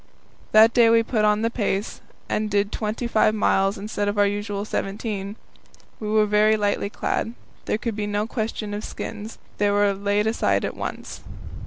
That day we put on the pace, and did twenty five miles instead of our usual seventeen. We were very lightly clad. There could be no question of skins; they were laid aside at once.